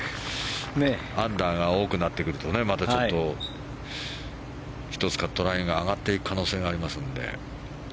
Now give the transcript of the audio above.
アンダーが多くなるとまた１つ、カットラインが上がっていく可能性がありますので。